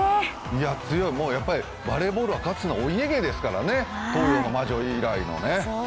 いや、強い、バレーボールはかつてのお家芸ですからね、東洋の魔女以来のね。